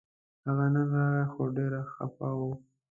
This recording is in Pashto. هغه نن راغی خو ډېر خپه و